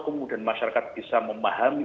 kemudian masyarakat bisa memahami